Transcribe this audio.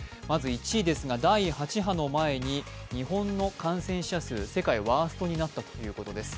１位ですが、第８波の前に日本の感染者数世界ワーストになったということです。